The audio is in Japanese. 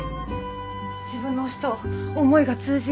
自分の推しと思いが通じ合う。